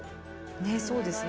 ねっそうですね。